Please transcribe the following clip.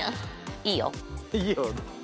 いいよ。